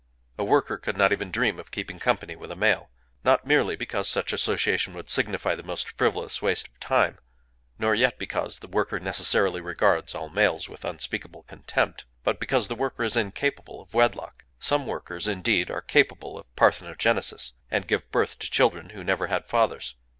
A worker could not even dream of keeping company with a male,—not merely because such association would signify the most frivolous waste of time, nor yet because the worker necessarily regards all males with unspeakable contempt; but because the worker is incapable of wedlock. Some workers, indeed, are capable of parthenogenesis, and give birth to children who never had fathers.